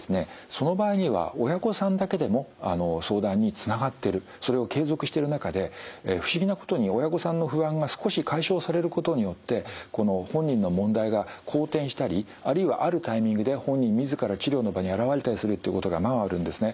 その場合には親御さんだけでも相談につながってるそれを継続してる中で不思議なことに親御さんの不安が少し解消されることによってこの本人の問題が好転したりあるいはあるタイミングで本人自ら治療の場に現れたりするってことがままあるんですね。